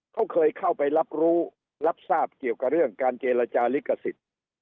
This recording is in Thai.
เขาเคยเข้าไปรับรู้รับทราบเกี่ยวกับเรื่องการเจรจาลิขสิทธิ์